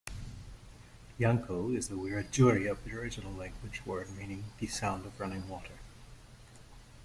Yanco is a Wiradjuri aboriginal language word meaning "the sound of running water".